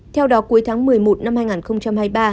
theo đó cuối tháng một mươi một năm hai nghìn hai mươi ba